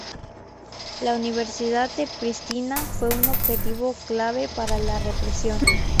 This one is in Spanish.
La Universidad de Pristina fue un objetivo clave para la represión.